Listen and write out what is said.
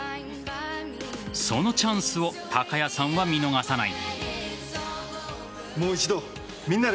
そのチャンスを貴也さんは見逃さない。